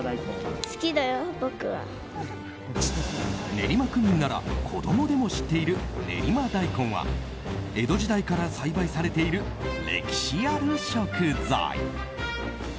練馬区民なら子供でも知っている練馬大根は江戸時代から栽培されている歴史ある食材。